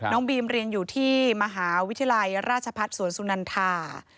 น้องบีมเรียนอยู่ที่มหาวิทยาลัยราชพัฒน์สวนสุนันทา